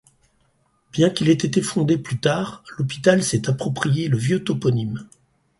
Bien qu'il ait été fondé plus tard, l'hôpital s'est approprié le vieux toponyme.